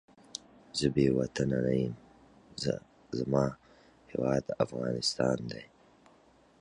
ته ځان بې وطنه مه احساسوه.